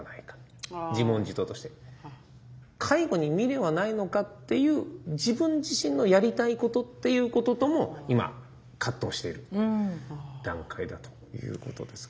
介護に未練はないのかっていう自分自身のやりたいことっていうこととも今葛藤している段階だということですが。